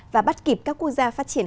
và bắt kịp các quốc gia phát triển